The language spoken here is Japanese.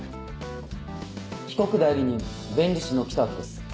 被告代理人弁理士の北脇です。